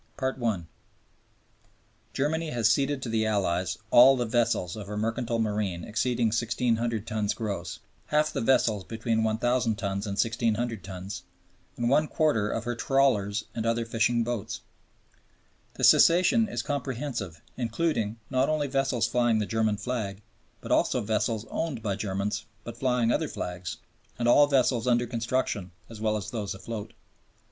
I (1) Germany has ceded to the Allies all the vessels of her mercantile marine exceeding 1600 tons gross, half the vessels between 1000 tons and 1600 tons, and one quarter of her trawlers and other fishing boats. The cession is comprehensive, including not only vessels flying the German flag, but also all vessels owned by Germans but flying other flags, and all vessels under construction as well as those afloat.